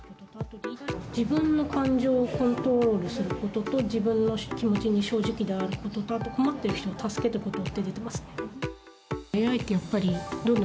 自分の感情をコントロールすることと自分の気持ちに正直であることとあとは困っている人を助けること。